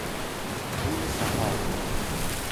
طول سفر